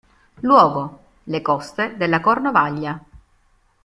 Luogo: le coste della Cornovaglia.